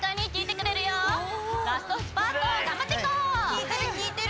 きいてるきいてる！